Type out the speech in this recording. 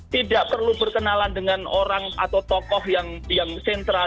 tidak perlu berkenalan dengan orang atau tokoh yang sentral